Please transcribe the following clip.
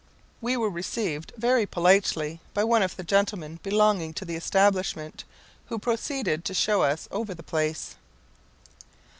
We were received very politely by one of the gentlemen belonging to the establishment, who proceeded to show us over the place.